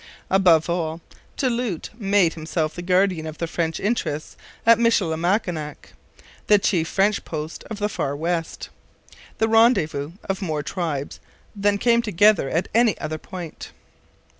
Above all, Du Lhut made himself the guardian of French interests at Michilimackinac, the chief French post of the Far West the rendezvous of more tribes than came together at any other point.